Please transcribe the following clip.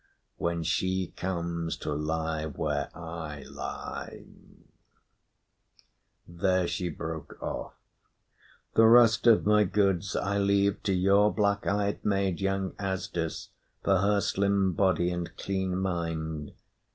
When she comes to lie where I lie " There she broke off. "The rest of my goods I leave to your black eyed maid, young Asdis, for her slim body and clean mind.